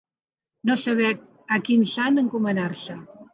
No saber a quin sant encomanar-se.